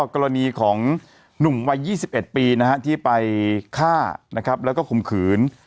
กรณีของหนุ่มวัย๒๑ปีที่ไปฆ่านะครับแล้วก็ข่มขืน